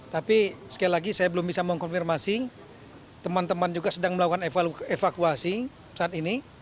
tapi sekali lagi saya belum bisa mengkonfirmasi teman teman juga sedang melakukan evakuasi saat ini